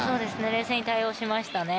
冷静に対応しましたね。